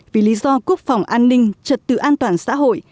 vì lý do quốc phòng an ninh trật tự an toàn xã hội